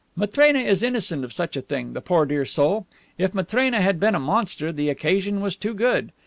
Matrena is innocent of such a thing, the poor dear soul. If Matrena had been a monster the occasion was too good.